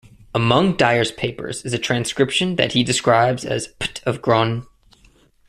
Among Dyer's papers is a transcription that he describes as P't of Gron'.